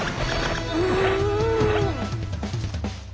うん。